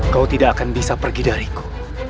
kau tidak akan bisa pergi dariku